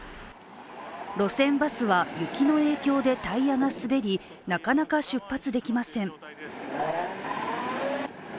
路線バスは雪の影響でタイヤが滑りなかなか出発できません。